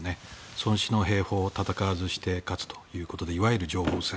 孫氏の兵法戦わずして勝つということでいわゆる情報戦。